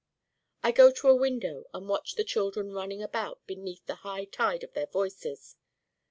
I go to a window and watch the children running about beneath the high tide of their Voices.